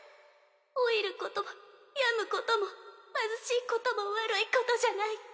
老いること病むことも貧しいことも悪いことじゃない。